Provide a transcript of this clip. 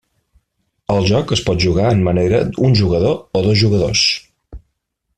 El joc es pot jugar en manera un jugador o dos jugadors.